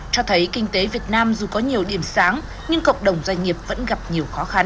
cho thấy kinh tế việt nam dù có nhiều điểm sáng nhưng cộng đồng doanh nghiệp vẫn gặp nhiều khó khăn